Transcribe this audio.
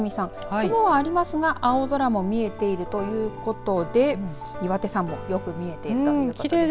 雲はありますが青空も見えているということで岩手山もよく見えている。